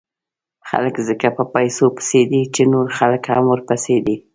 خلک ځکه په پیسو پسې دي، چې نور خلک هم ورپسې دي.